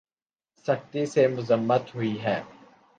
سختی سے مذمت ہوئی ہے